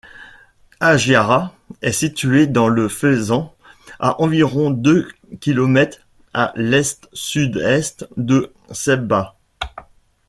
Hagiara est située dans le Fezzan, à environ deux kilomètres à l'est-sud-est de Sebha.